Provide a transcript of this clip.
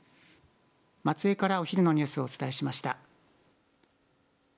松江からお昼のニュースをお伝えしました。